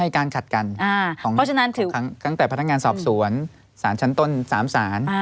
ขั้นแต่พัฒนิกาทางศอบสวนสารชั้นต้น๓สาร